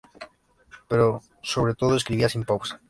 Pero sobre todo escribía sin pausa.